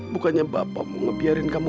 bukannya bapak mau ngebiarin kamu